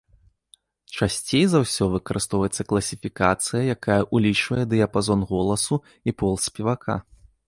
Часцей за ўсё выкарыстоўваецца класіфікацыя, якая ўлічвае дыяпазон голасу і пол спевака.